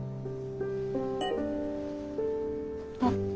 あっ。